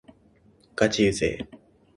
がちうぜぇ